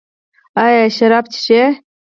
ایا شراب څښئ؟